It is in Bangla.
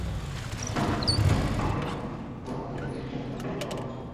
গাজীপুরের ঘটনায় কোনো প্রতিকার তো হয়ইনি, বরং বখাটেরা মেয়েটির স্বজনদের ওপর চড়াও হয়েছেন।